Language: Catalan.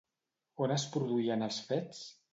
On es produïen els fets?